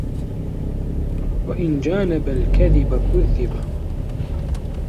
وَإِنْ جَانَبَ الْكَذِبَ كُذِّبَ